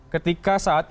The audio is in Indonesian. ketika saat itu